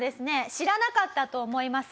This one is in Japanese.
知らなかったと思います。